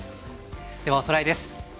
ではおさらいです。